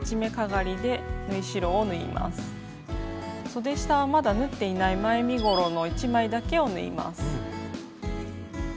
そで下はまだ縫っていない前身ごろの１枚だけを縫います。